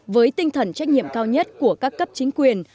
với tinh thần trách nhiệm cao nhất của các cấp chính quyền